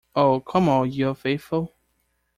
Oh come all ye faithful.